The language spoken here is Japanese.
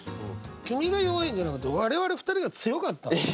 君が弱いんじゃなくて我々２人が強かった。